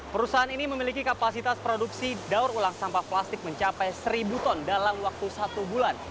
perusahaan ini memiliki kapasitas produksi daur ulang sampah plastik mencapai seribu ton dalam waktu satu bulan